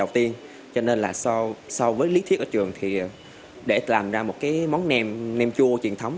truyền thống cho nên là so với lý thuyết ở trường thì để làm ra một cái món nêm chua truyền thống